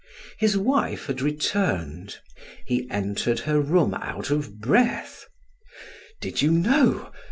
His wife had returned. He entered her room out of breath: "Did you know?